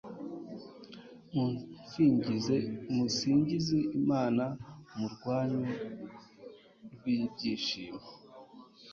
musingize imana mu rwamu rw'ibyishimo